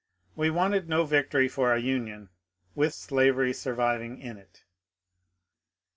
We wanted no victory for a Union with slavery surviving in it.